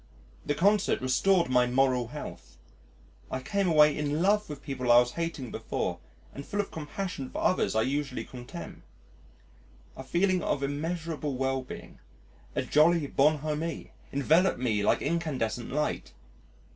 The concert restored my moral health. I came away in love with people I was hating before and full of compassion for others I usually condemn. A feeling of immeasurable well being a jolly bonhomie enveloped me like incandescent light.